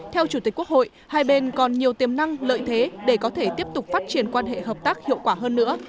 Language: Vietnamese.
theo chủ tịch quốc hội hai bên còn nhiều tiềm năng lợi thế để có thể tiếp tục phát triển quan hệ hợp tác hiệu quả hơn nữa